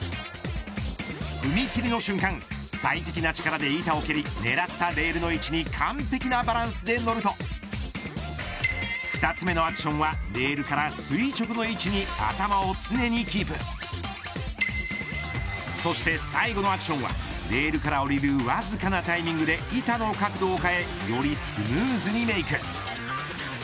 踏み切りの瞬間最適な力で板を蹴り狙ったレールの位置に完璧なバランスで乗ると２つ目のアクションはレールから垂直の位置に頭を常にキープそして、最後のアクションはレールから降りるわずかなタイミングで板の角度を変えよりスムーズにメーク。